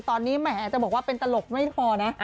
ตอนนี้แหมจะบอกว่าเป็นตลกไม่พอนะ